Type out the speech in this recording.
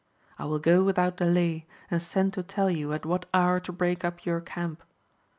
I will go without delay, and send to tell you at what hour to break up your camp.